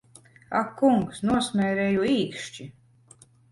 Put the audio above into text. Ak kungs, nosmērēju īkšķi!